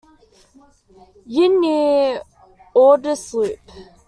Yin near Ordos Loop.